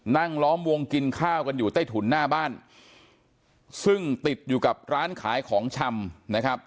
ล้อมวงกินข้าวกันอยู่ใต้ถุนหน้าบ้านซึ่งติดอยู่กับร้านขายของชำนะครับ